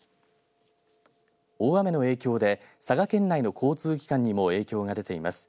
大雨の影響で佐賀県内の交通機関にも影響が出ています。